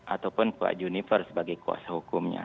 ataupun pak juniper sebagai kuasa hukumnya